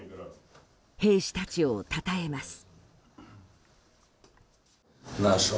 兵士たちをたたえます。